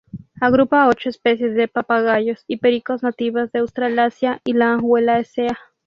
Agrupa a ocho especies de papagayos y pericos nativas de Australasia y la Wallacea.